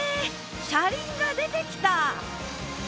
車輪が出てきた！